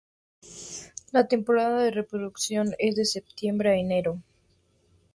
La temporada de reproducción es de septiembre a enero.